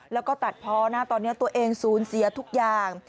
แล้วก็ตัดพอนะตอนนี้ตัวเองสูญเสียทุกอย่าง